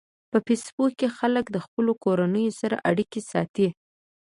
په فېسبوک کې خلک د خپلو کورنیو سره اړیکه ساتي